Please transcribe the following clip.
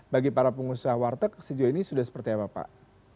bagi para pengusaha warteg sejauh ini sudah seperti apa pak